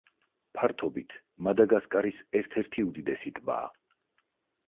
ფართობით მადაგასკარის ერთ-ერთი უდიდესი ტბაა.